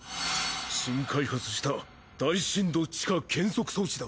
新開発した大深度地下検測装置だ。